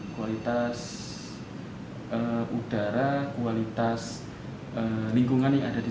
kualitas udara kualitas lingkungan yang ada di